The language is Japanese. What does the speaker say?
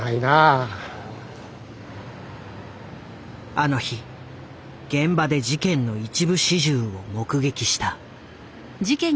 あの日現場で事件の一部始終を目撃した。